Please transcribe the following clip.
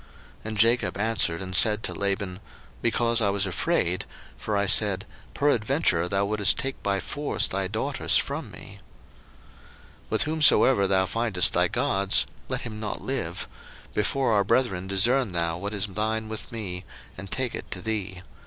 01:031:031 And Jacob answered and said to Laban, Because I was afraid: for I said, Peradventure thou wouldest take by force thy daughters from me. 01:031:032 With whomsoever thou findest thy gods, let him not live: before our brethren discern thou what is thine with me, and take it to thee.